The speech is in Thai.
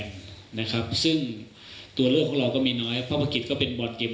มีผลต่อแดนกลางแต่ก็จะหาวิธีปิดจุดอ่อนให้ได้ครับ